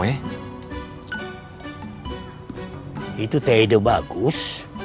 itu teh ide bagus